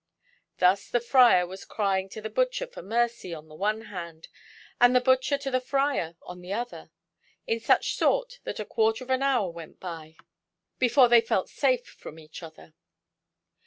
Thus, the Friar was crying to the butcher for mercy on the one hand, and the butcher to the Friar on the other, in such sort that a quarter of an hour went by before they felt safe from each other.